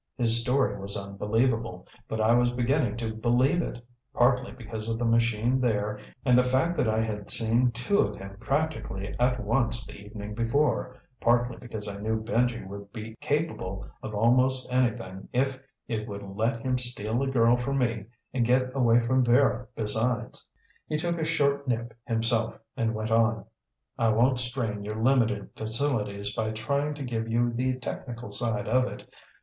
His story was unbelievable. But I was beginning to believe it partly because of the machine there and the fact that I had seen two of him practically at once the evening before, partly because I knew Benji would be capable of almost anything if it would let him steal a girl from me and get away from Vera besides. He took a short nip himself and went on. "I won't strain your limited facilities by trying to give you the technical side of it.